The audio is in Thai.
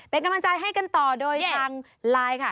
เป็นกำลังใจให้กันต่อโดยทางไลน์ค่ะ